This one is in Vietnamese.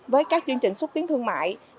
với các chương trình xuất tiến thương mại